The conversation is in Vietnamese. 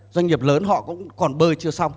doanh nghiệp lớn họ cũng còn bơi chưa xong